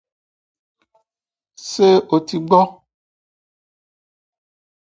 Both enclosures contained shallow pools and garden areas planted with trees.